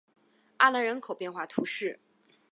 阿兰人口变化图示